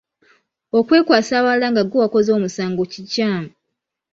Okwekwasa abalala nga ggwe wakoze omusango kikyamu.